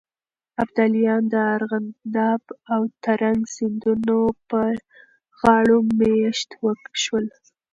ابداليان د ارغنداب او ترنک سيندونو پر غاړو مېشت شول.